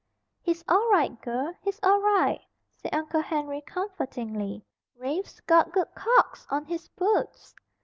"He's all right, girl, he's all right," said Uncle Henry comfortingly. "Rafe's got good calks on his boots."